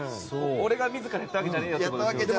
俺が自らやったわけじゃないよって。